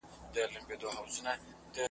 ما لیدلي دي کوهي د غمازانو .